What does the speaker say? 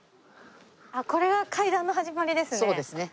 これが階段の始まりですね。